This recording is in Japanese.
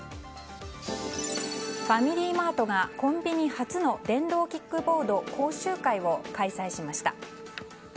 ファミリーマートがコンビニ初の電動キックボード講習会を開催しました。